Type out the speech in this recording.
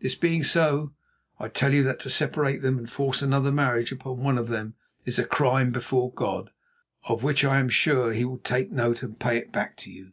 This being so, I tell you that to separate them and force another marriage upon one of them is a crime before God, of which, I am sure, He will take note and pay it back to you.